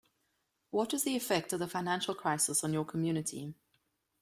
What was the effect of the financial crisis on your community?